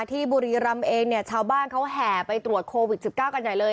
บุรีรำเองเนี่ยชาวบ้านเขาแห่ไปตรวจโควิด๑๙กันใหญ่เลย